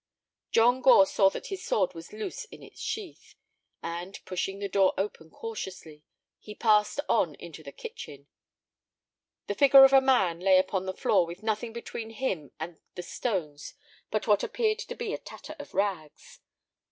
John Gore saw that his sword was loose in its sheath, and, pushing the door open cautiously, he passed on into the kitchen. The figure of a man lay upon the floor with nothing between him and the stones but what appeared to be a tatter of rags.